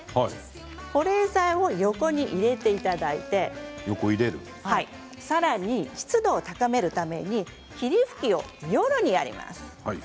これを横に入れていただいてさらに湿度を高めるために霧吹きを、夜にやります。